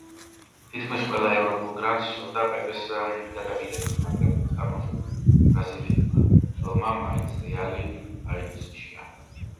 თითქმის ყველა ევროპულ გრანდს სურდა პეპეს გადაბირება, მაგრამ წარმოშობით ბრაზილიელმა მცველმა მაინც „რეალი“ აირჩია.